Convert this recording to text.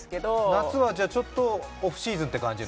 夏はちょっとオフシーズンって感じなの？